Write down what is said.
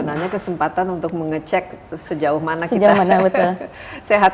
sebenarnya kesempatan untuk mengecek sejauh mana kita sehat